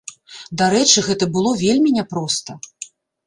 Дарэчы, гэта было вельмі няпроста.